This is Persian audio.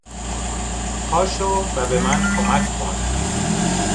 پاشو و بمن کمک کن!